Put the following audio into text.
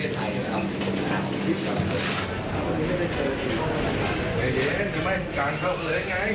เพราะว่าเขาคิดว่าคุณจะช่วยหรือเปล่า